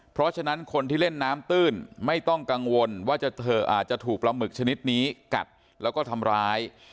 เพราะฉะนั้นคนที่เล่นน้ำตื้นไม่ต้องกังวลว่าเธออาจจะถูกปลาหมึกชนิดนี้กัดแล้วก็ทำร้าย